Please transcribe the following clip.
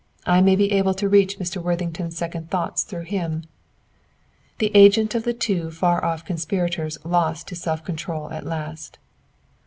I may be able to reach Mr. Worthington's second thoughts through him." The agent of the two far off conspirators lost his self control at last.